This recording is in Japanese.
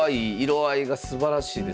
色合いがすばらしいですね。